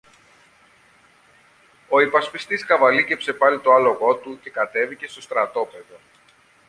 Ο υπασπιστής καβαλίκεψε πάλι το άλογο του και κατέβηκε στο στρατόπεδο.